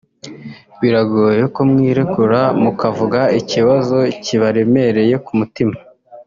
biragoye ko mwirekura mukavuga ikibazo kibaremereye ku mutima”